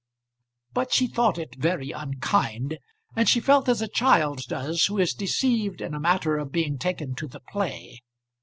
But she thought it very unkind, and she felt as a child does who is deceived in a matter of being taken to the play.